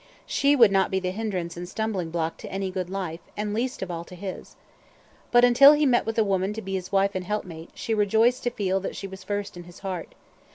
She would not be the hindrance and stumbling block to any good life, and least of all to his. But, until he met with a woman to be his wife and helpmate, she rejoiced to feel that she was first in his heart.